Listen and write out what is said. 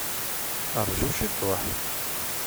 Rju ciṭuḥ!